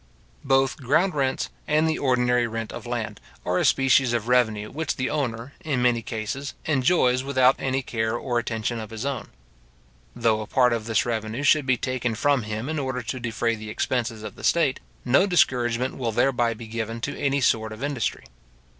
Both ground rents, and the ordinary rent of land, are a species of revenue which the owner, in many cases, enjoys without any care or attention of his own. Though a part of this revenue should be taken from him in order to defray the expenses of the state, no discouragement will thereby be given to any sort of industry.